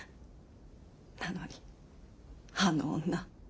なのにあの女。